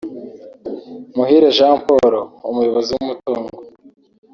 Muhire Jean Paul (Umuyobozi w’umutungo)